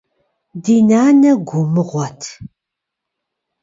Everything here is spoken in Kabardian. Ди нанэ гу мыгъуэт.